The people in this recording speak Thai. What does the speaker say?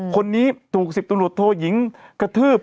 คนนี้ถูก๑๐ตำรวจโทยิงกระทืบ